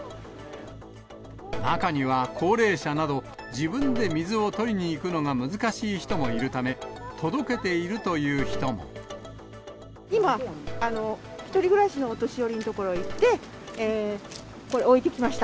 中には、高齢者など自分で水を取りに行くのが難しい人もいるため、届けて今、１人暮らしのお年寄りのところに行って、これ、置いてきました。